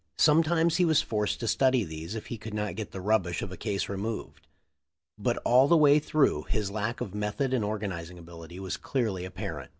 Sometimes he was forced to study these if he could not get the rubbish of a case removed. But all the way through his lack of method and organizing ability was clearly appar ent."